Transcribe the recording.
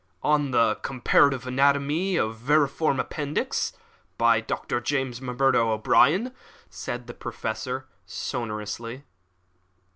"On the comparative anatomy of the vermiform appendix, by James M'Murdo O'Brien," said the Professor, sonorously.